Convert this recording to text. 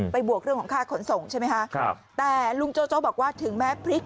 บวกเรื่องของค่าขนส่งใช่ไหมคะครับแต่ลุงโจโจ้บอกว่าถึงแม้พริก